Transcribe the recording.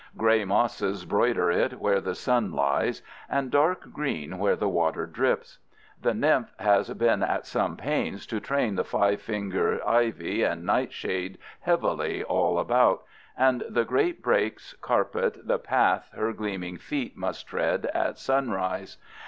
Gray mosses broider it where the sun lies, and dark green where the water drips. The nymph has been at some pains to train the five finger ivy and nightshade heavily all about, and the great brakes carpet the path her gleaming feet must tread at sunrise.